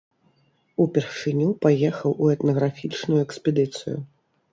Упершыню паехаў у этнаграфічную экспедыцыю.